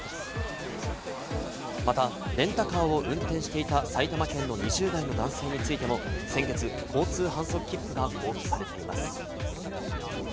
また、レンタカーを運転していた埼玉県の２０代の男性についても、先月、交通反則切符が交付されています。